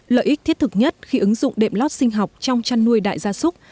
lợi ích thiết thực nhất khi ứng dụng đệm lót sinh học trong chăn nuôi đại gia súc